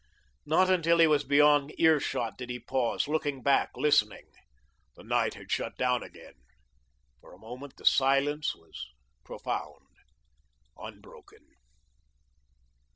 Not until he was beyond ear shot did he pause, looking back, listening. The night had shut down again. For a moment the silence was profound, unbroken.